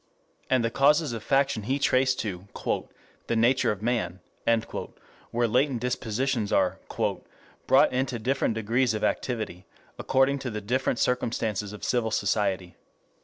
And the causes of faction he traced to "the nature of man," where latent dispositions are "brought into different degrees of activity, according to the different circumstances of civil society.